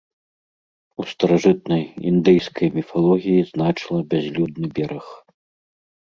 У старажытнай індыйскай міфалогіі значыла бязлюдны бераг.